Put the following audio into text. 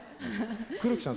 黒木さん